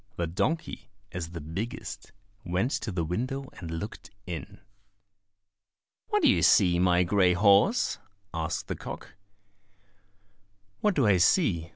The donkey, as the biggest, went to the window and looked in. "What do you see, my grey horse?" asked the cock. "What do I see?"